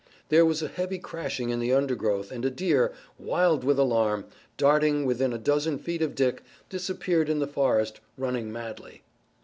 There was a heavy crashing in the undergrowth and a deer, wild with alarm, darting within a dozen feet of Dick, disappeared in the forest, running madly.